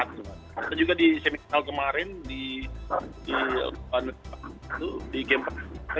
kita juga di semifinal kemarin di lkp empat itu di game pertama